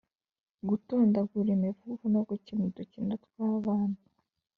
-gutondagura imivugo no gukina udukino tw’abana